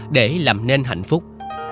để làm nên hạnh phúc